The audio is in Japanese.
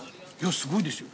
すごいですよ。